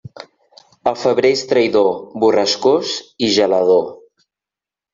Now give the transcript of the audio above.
El febrer és traïdor, borrascós i gelador.